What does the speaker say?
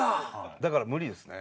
だから無理ですね。